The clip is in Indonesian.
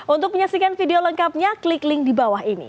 untuk menyaksikan video lengkapnya klik link di bawah ini